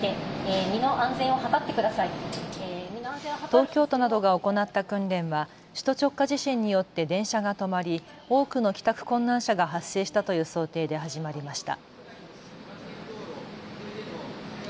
東京都などが行った訓練は首都直下地震によって電車が止まり、多くの帰宅困難者が発生したという想定で始まりました。